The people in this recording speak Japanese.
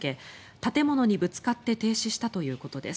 建物にぶつかって停止したということです。